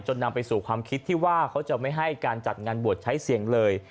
นำไปสู่ความคิดที่ว่าเขาจะไม่ให้การจัดงานบวชใช้เสียงเลย